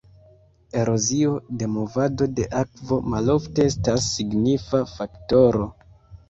Erozio de movado de akvo malofte estas signifa faktoro.